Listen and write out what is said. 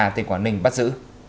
tỉnh quảng ninh bắt giữ